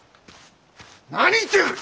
何言ってやがる！